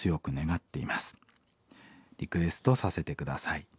リクエストさせて下さい。